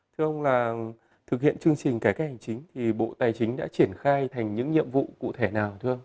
thưa ông thực hiện chương trình cải cách hành chính bộ tài chính đã triển khai thành những nhiệm vụ cụ thể nào